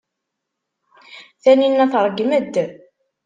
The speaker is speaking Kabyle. Taninna tṛeggem-d.